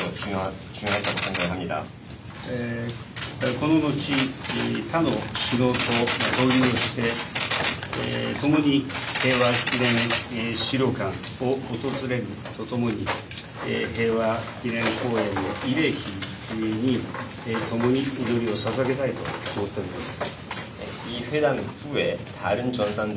この後、他の首脳と合流して、共に平和記念資料館を訪れるとともに、平和記念公園の慰霊碑に共に祈りをささげたいと思っております。